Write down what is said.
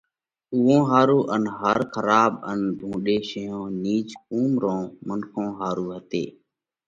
اُوئون ۿارُو ان ھر کراٻ ان ڀُونڏئي شينھ نِيچ قُوم رون منکون ۿارُو ھتئي۔